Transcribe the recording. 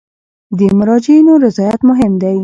د مراجعینو رضایت مهم دی